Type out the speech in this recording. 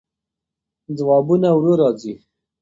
ځوابونه ورو راځي.